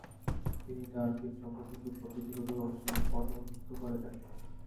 তিনি টারপিন সম্পর্কিত পদ্ধতিগত গবেষণার পথ উন্মুক্ত করে দেন।